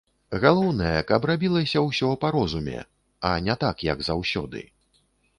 Галоўнае, каб рабілася ўсё па розуме, а не так, як заўсёды.